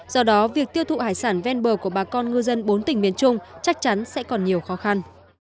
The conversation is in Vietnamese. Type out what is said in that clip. do đó việc tiêu thụ hải sản ven bờ của bà con ngư dân bốn tỉnh miền trung chắc chắn sẽ còn nhiều khó khăn